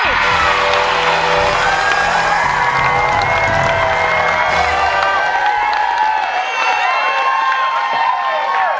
เพลงเก่งของคุณครับ